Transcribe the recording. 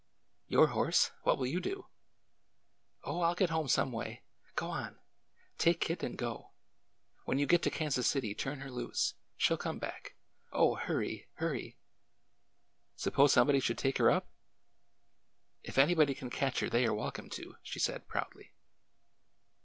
''Your horse? What will you do?" " Oh, I 'll get home some way. Go on ! Take Kit and go ! When you get to Kansas City turn her loose. She 'll come back. Oh, hurry ! hurry !"" Suppose somebody should take her up ?"" If anybody can catch her they are welcome to 1 " she said proudly.